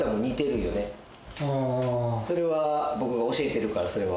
それは僕が教えてるから。